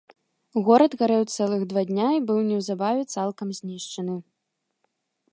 Горад гарэў цэлых два дня і быў неўзабаве цалкам знішчаны.